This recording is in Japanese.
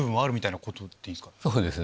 そうですね。